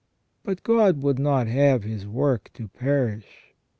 But God would not have His work to perish.